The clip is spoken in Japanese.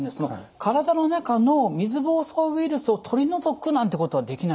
体の中の水ぼうそうウイルスを取り除くなんてことはできないんですか？